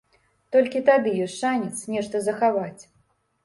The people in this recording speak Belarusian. Толькі тады ёсць шанец нешта захаваць.